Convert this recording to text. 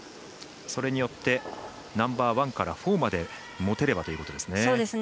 それによってナンバーワンからフォーまで持てればということですね。